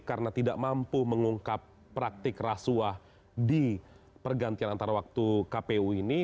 karena tidak mampu mengungkap praktik rasuah di pergantian antara waktu kpu ini